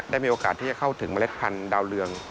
มีโอกาสที่จะเข้าถึงเมล็ดพันธุ์ดาวเรือง